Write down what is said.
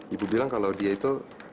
ibu bilang kalau dia itu